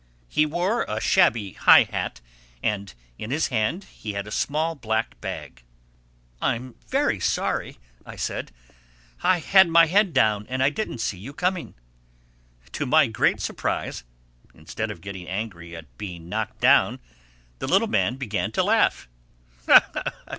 He wore a shabby high hat and in his hand he had a small black bag. "I'm very sorry," I said. "I had my head down and I didn't see you coming." To my great surprise, instead of getting angry at being knocked down, the little man began to laugh.